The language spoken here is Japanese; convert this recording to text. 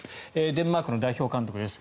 デンマークの代表監督です。